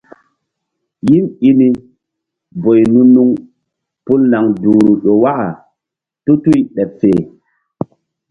Yim i ni boy nu-nuŋ pul naŋ duhru ƴo waka tutuy ɓeɓ fe.